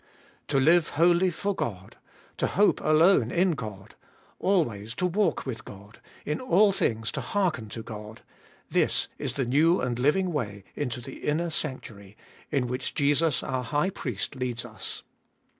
To live wholly for God, to hope alone in God, always to walk with God, in all things to hearken to God, — this is the new and living way into the inner sanctuary, in which Jesus our High Priest leads us.